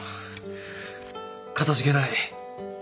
かたじけない。